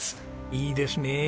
いいですね。